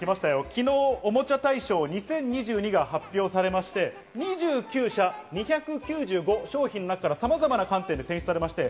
昨日、おもちゃ大賞２０２２が発表されまして、２９社２９５商品の中からさまざまな観点で選出されました。